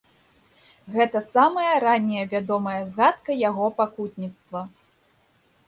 Гэта самая ранняя вядомая згадка яго пакутніцтва.